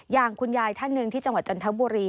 อย่างคุณยายท่านหนึ่งที่จันทบุรี